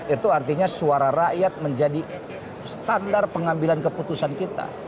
itu artinya suara rakyat menjadi standar pengambilan keputusan kita